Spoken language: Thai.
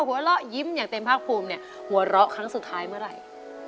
หัวเราะยิ้มอย่างเต็มภาคภูมิเนี่ยหัวเราะครั้งสุดท้ายเมื่อไหร่